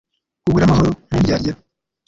Ubure amahoro nundyarya zose